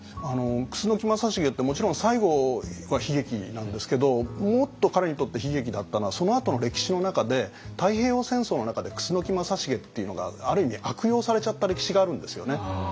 楠木正成ってもちろん最後は悲劇なんですけどもっと彼にとって悲劇だったのはそのあとの歴史の中で太平洋戦争の中で楠木正成っていうのがある意味悪用されちゃった歴史があるんですよね。